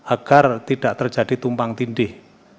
agar tidak terjadi tumpang tindih